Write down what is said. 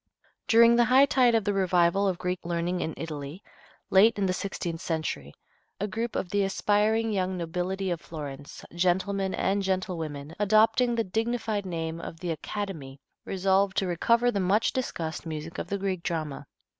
During the high tide of the revival of Greek learning in Italy, late in the sixteenth century, a group of the aspiring young nobility of Florence, gentlemen and gentlewomen, adopting the dignified name of the "Academy," resolved to recover the much discussed music of the Greek drama.